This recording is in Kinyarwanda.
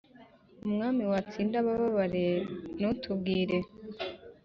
umwami watsinda abababare nutubwire